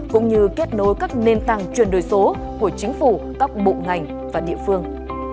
cũng như kết nối các nền tảng truyền đổi số của chính phủ các bộ ngành và địa phương